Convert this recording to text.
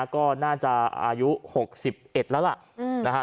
ก็น่าจะอายุ๖๑แล้วล่ะนะฮะ